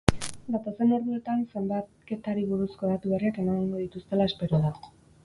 Datozen orduetan zenbaketari buruzko datu berriak emango dituztela espero da.